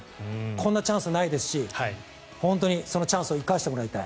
こんなチャンスないですしそのチャンスを生かしてもらいたい。